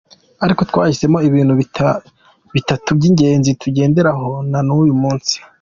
Ariko twahisemo ibintu bitatu by’ingenzi tugenderaho na n’uyu munsi.